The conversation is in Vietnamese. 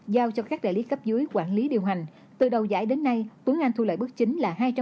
giao cho các đại lý cấp dưới quản lý điều hành từ đầu giải đến nay tuấn anh thu lợi bước chính là